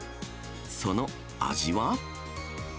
その味は。